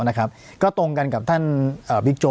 ปากกับภาคภูมิ